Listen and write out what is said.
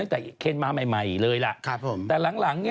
อ้าวเดี๋ยวกลับมากันเบลกันสักครู่ค่ะ